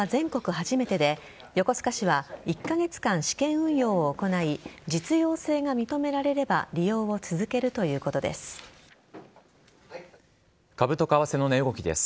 初めてで横須賀市は１カ月間試験運用を行い実用性が認められれば株と為替の値動きです。